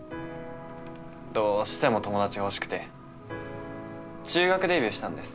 どうしても友達が欲しくて中学デビューしたんです。